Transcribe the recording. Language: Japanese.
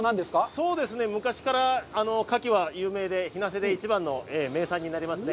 そうですね、昔からカキは有名で、日生で一番の名産になりますね。